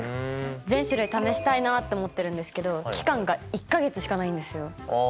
全種類試したいなって思ってるんですけど期間が１か月しかないんですよ。